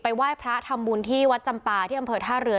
ไหว้พระทำบุญที่วัดจำปาที่อำเภอท่าเรือ